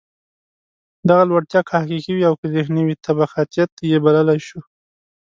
دغه لوړتیا که حقیقي وي او که ذهني وي، طبقاتيت یې بللای شو.